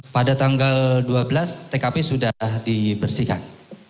pada tanggal dua belas tkp sudah dibersihkan